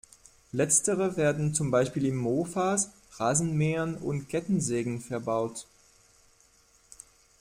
Letztere werden zum Beispiel in Mofas, Rasenmähern und Kettensägen verbaut.